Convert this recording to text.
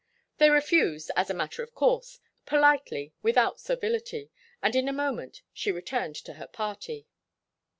They refused, as a matter of course, politely, without servility, and in a moment she returned to her party.